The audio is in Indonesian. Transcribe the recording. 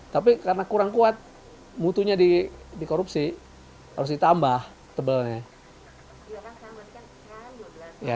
tapi karena kurang kuat mutunya dikorupsi harus ditambah tebelnya